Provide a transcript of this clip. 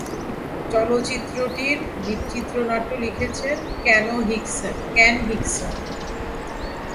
চলচ্চিত্রটির চিত্রনাট্য লিখেছেন কেন হিক্সন।